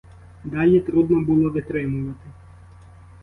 Далі трудно було витримувати.